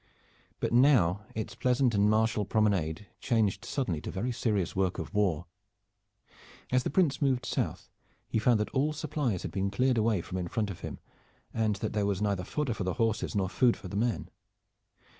But now its pleasant and martial promenade changed suddenly to very serious work of war. As the Prince moved south he found that all supplies had been cleared away from in front of him and that there was neither fodder for the horses nor food for the men.